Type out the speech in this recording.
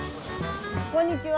こんにちは。